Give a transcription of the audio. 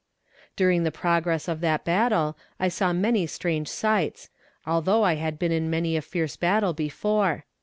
During the progress of that battle I saw many strange sights although I had been in many a fierce battle before.